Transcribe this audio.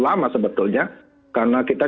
lama sebetulnya karena kita